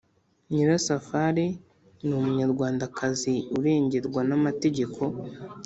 nyirasafari n’umunyarwandakazi urengerwa n’amategeko.